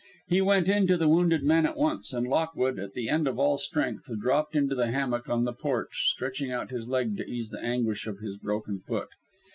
He went in to the wounded man at once, and Lockwood, at the end of all strength, dropped into the hammock on the porch, stretching out his leg to ease the anguish of his broken foot.